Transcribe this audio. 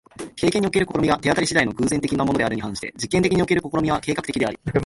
経験における試みが手当り次第の偶然的なものであるに反して、実験における試みは計画的であり、